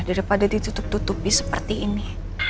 daripada ditutup tutupi seperti ini